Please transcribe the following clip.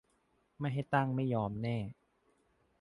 ไม่ให้ตั้งไม่ยอมแน่